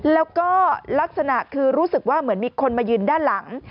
แล้วก็ลักษณะคือรู้สึกว่าเหมือนมีคนมายืนด้านหลัง